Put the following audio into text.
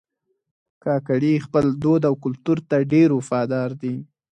کاکړي خپل دود او کلتور ته ډېر وفادار دي.